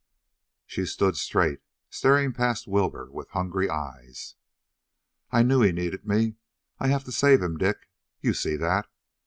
She stood straight, staring past Wilbur with hungry eyes. "I knew he needed me. I have to save him, Dick. You see that?